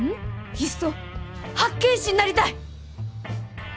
いっそ八犬士になりたい！